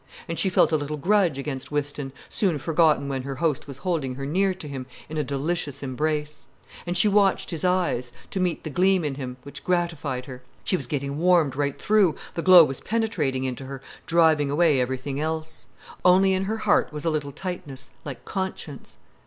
And she felt a little grudge against Whiston, soon forgotten when her host was holding her near to him, in a delicious embrace. And she watched his eyes, to meet the gleam in them, which gratified her. She was getting warmed right through, the glow was penetrating into her, driving away everything else. Only in her heart was a little tightness, like conscience.